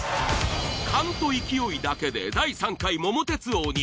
勘と勢いだけで第３回桃鉄王に。